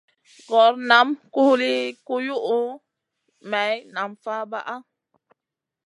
Gor nam huli kuyuʼu, maï nam fabaʼa.